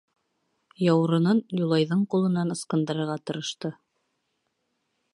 Яурынын Юлайҙың ҡулынан ысҡындырырға тырышты.